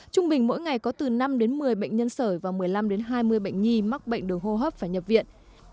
trung bình mỗi ngày có từ năm đến một mươi bệnh nhân sởi và một mươi năm đến hai mươi bệnh nhi mắc bệnh đường hô hấp phải nhập viện